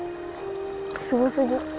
すごすぎ。